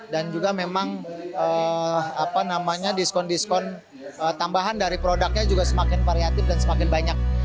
dan juga memang diskon diskon tambahan dari produknya juga semakin variatif dan semakin banyak